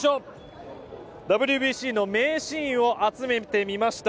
ＷＢＣの名シーンを集めてみました。